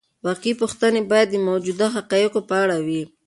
واقعي پوښتنې باید د موجودو حقایقو په اړه وي.